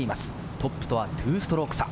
トップとは２ストローク差。